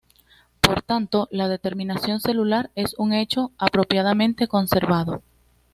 Por tanto, la determinación celular es un hecho apropiadamente conservado.